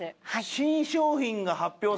新商品が発表されたみたいな。